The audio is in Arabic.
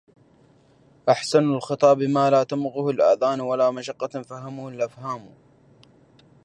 أحسن الخطاب مالا تمقه الآذان ولا مشقة فهمه الأفهام.